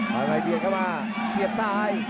พอใหม่เบียนเข้ามาเสียบใต้